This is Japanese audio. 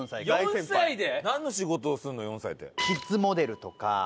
４歳で。